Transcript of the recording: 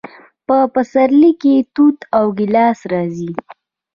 په پسرلي کې توت او ګیلاس راځي.